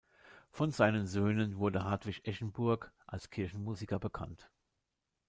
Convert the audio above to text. Von seinen Söhnen wurde Hartwig Eschenburg als Kirchenmusiker bekannt.